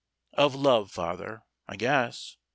"Of love, father, I guess.